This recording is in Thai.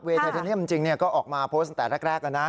ไทเทเนียมจริงก็ออกมาโพสต์ตั้งแต่แรกแล้วนะ